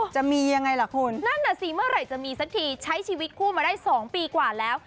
จะมียังไงล่ะคุณนั่นน่ะสิเมื่อไหร่จะมีสักทีใช้ชีวิตคู่มาได้๒ปีกว่าแล้ว